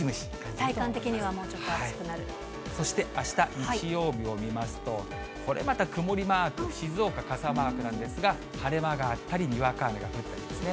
体感的にはもうちょっと暑くそしてあした日曜日を見ますと、これまた曇りマーク、静岡傘マークなんですが、晴れ間があったり、にわか雨が降ったりですね。